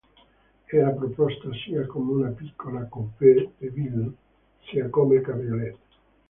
Era proposta sia come una piccola coupé de ville, sia come cabriolet.